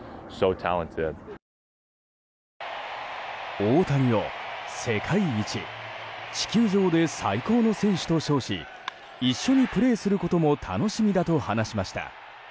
大谷を世界一地球上で最高の選手と称し一緒にプレーすることも楽しみだと話しました。